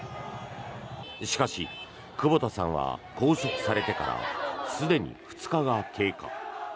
しかし、久保田さんは拘束されてからすでに２日が経過。